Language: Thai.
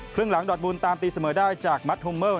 ครึ่งหลังดอดบุญตามตีเสมอได้จากมัดฮุมเมิล